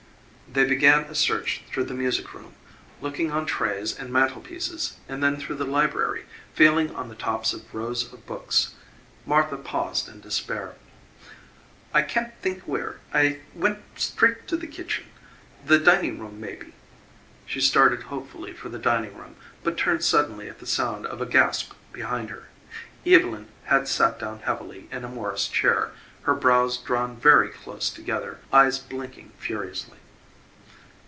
They began a search through the music room, looking on trays and mantelpieces, and then through the library, feeling on the tops of rows of books. Martha paused in despair. "I can't think where. I went straight to the kitchen. The dining room, maybe." She started hopefully for the dining room, but turned suddenly at the sound of a gasp behind her. Evylyn had sat down heavily in a Morris chair, her brows drawn very close together eyes blanking furiously.